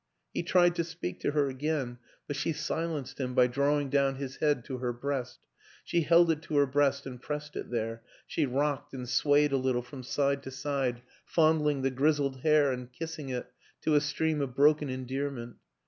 He tried to speak to her again, but she silenced him by drawing down his head to her breast; she held it to her breast and pressed it there; she rocked and swayed a little from side to side, fondling the grizzled hair and kissing it to a stream of broken endearment.